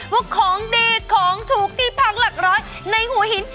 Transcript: ว่าของดีของถูกที่พักหลักร้อยในหัวหิน